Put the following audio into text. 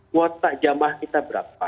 kuota jamah kita berapa